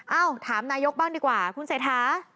เอ้าถามนายกบ้างดีกว่าคุณเสถา